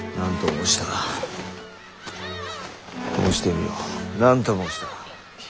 申してみよ。何と申した？